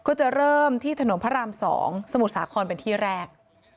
ก็จะเริ่มที่ถนนพระราม๒สมุทรสาครเป็นที่แรก